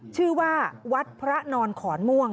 ชื่อว่าวัดพระนอนขอนม่วง